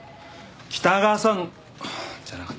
北川さんじゃなかった。